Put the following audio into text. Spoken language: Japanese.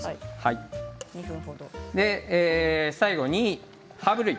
最後にハーブ類。